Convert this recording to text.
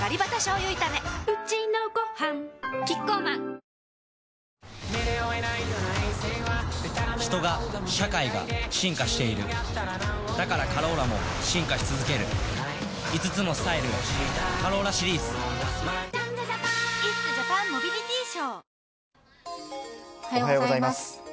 うちのごはんキッコーマン人が社会が進化しているだから「カローラ」も進化し続ける５つのスタイルへ「カローラ」シリーズおはようございます。